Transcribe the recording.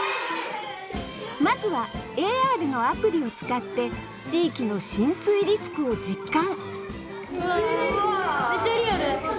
まずはＡＲのアプリを使って地域の浸水リスクを実感わ！